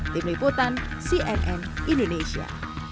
tim liputan cnn indonesia